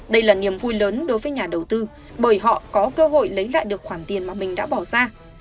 đây là niềm vui lớn đối với nhà đầu tư bởi họ có cơ hội lấy lại được khoản tiền mà mình đã bỏ ra